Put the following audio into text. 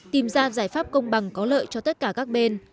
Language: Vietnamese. tìm ra giải pháp công bằng có lợi cho tất cả các bên